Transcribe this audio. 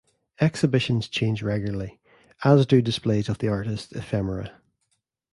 Exhibitions change regularly, as do displays of the artist's ephemera.